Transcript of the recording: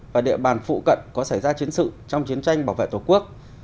và địa bàn phụ cận có xảy ra chiến sự trong chiến tranh bảo vệ tổ quốc